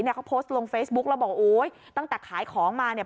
เขาโพสต์ลงเฟซบุ๊กแล้วบอกโอ๊ยตั้งแต่ขายของมาเนี่ย